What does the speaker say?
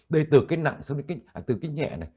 đây từ cái nặng xong đến cái nhẹ này